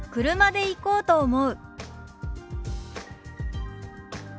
「車で行こうと思う」。